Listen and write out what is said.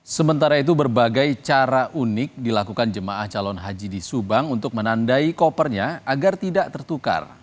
sementara itu berbagai cara unik dilakukan jemaah calon haji di subang untuk menandai kopernya agar tidak tertukar